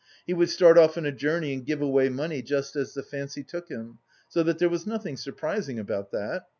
He would start off on a journey and give away money just as the fancy took him, so that there was nothing surprising about it.